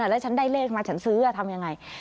แล้วฉันได้เลขมาฉันซื้อทำยังไง